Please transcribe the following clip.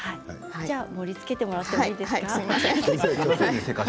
盛りつけてもらっていいですか？